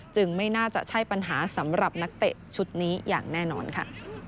ไม่น่าจะใช่ปัญหาสำหรับนักเตะชุดนี้อย่างแน่นอนค่ะ